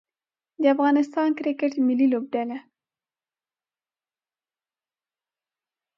د افغانستان کرکټ ملي لوبډله